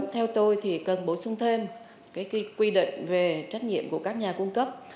theo tôi thì cần bổ sung thêm quy định về trách nhiệm của các nhà cung cấp